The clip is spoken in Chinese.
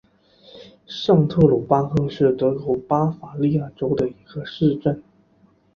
上特鲁巴赫是德国巴伐利亚州的一个市镇。